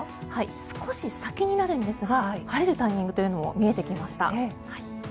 少し先になるんですが晴れるタイミングというのも見えてきました。